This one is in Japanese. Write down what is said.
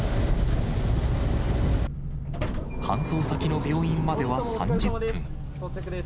搬送先の病院までは３０分。